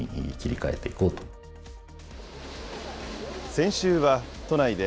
先週は都内で、